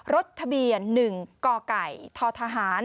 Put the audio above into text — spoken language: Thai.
รถทะเบียน๑กกทฐ๒๔๐๔